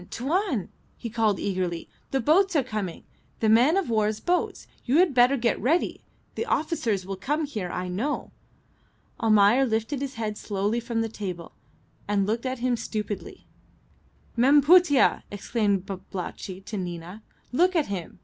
Tuan!" he called, eagerly. "The boats are coming. The man of war's boats. You had better get ready. The officers will come here, I know." Almayer lifted his head slowly from the table, and looked at him stupidly. "Mem Putih!" exclaimed Babalatchi to Nina, "look at him.